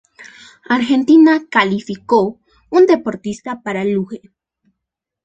Argentina calificó un deportista para luge.